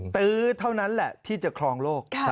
ตื้อเท่านั้นแหละที่จะครองโลก